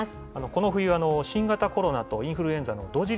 この冬、新型コロナとインフルエンザの同時